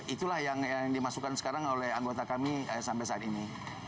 itulah yang dimasukkan sekarang oleh anggota kami sampai saat ini